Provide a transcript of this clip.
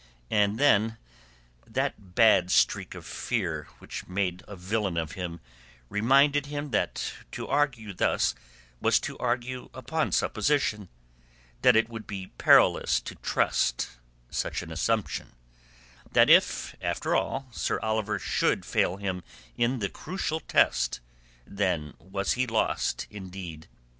And then that bad streak of fear which made a villain of him reminded him that to argue thus was to argue upon supposition, that it would be perilous to trust such an assumption; that if, after all, Sir Oliver should fail him in the crucial test, then was he lost indeed.